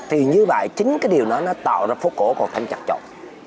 thì như vậy chính cái điều đó nó tạo ra phố cổ còn thêm chặt chọn